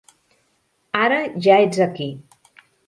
Ara ja ets aquí.